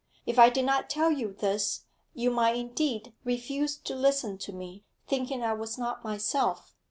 If I did not tell you this, you might indeed refuse to listen to me, thinking I was not myself.